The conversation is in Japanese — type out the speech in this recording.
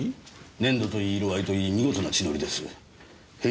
粘度といい色合いといい見事な血糊ですよ。